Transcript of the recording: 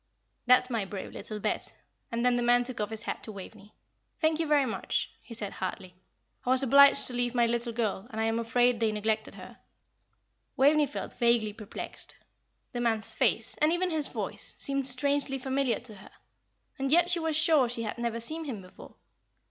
"That's my brave little Bet." And then the man took off his hat to Waveney. "Thank you, very much," he said, heartily. "I was obliged to leave my little girl, and I am afraid they neglected her." Waveney felt vaguely perplexed. The man's face, and even his voice, seemed strangely familiar to her, and yet she was sure she had never seen him before.